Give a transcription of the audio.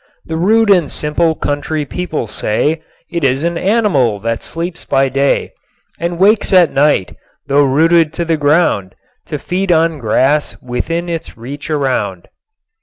The rude and simple country people say It is an animal that sleeps by day And wakes at night, though rooted to the ground, To feed on grass within its reach around.